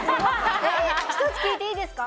１つ聞いていいですか。